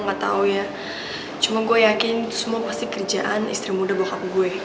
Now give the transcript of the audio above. gue gak tau ya cuma gue yakin itu semua pasti kerjaan istri muda bokap gue